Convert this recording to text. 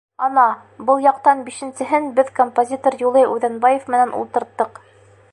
— Ана, был яҡтан бишенсеһен беҙ композитор Юлай Үҙәнбаев менән ултырттыҡ.